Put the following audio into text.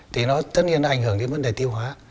thì nó tất nhiên nó ảnh hưởng đến vấn đề tiêu hóa